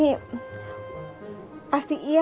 tidak sampai setelah kita